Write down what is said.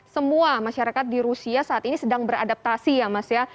semua masyarakat di rusia saat ini sedang beradaptasi ya mas ya